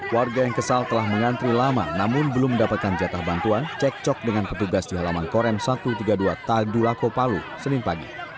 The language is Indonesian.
warga yang kesal telah mengantri lama namun belum mendapatkan jatah bantuan cek cok dengan petugas di halaman korem satu ratus tiga puluh dua tadulako palu senin pagi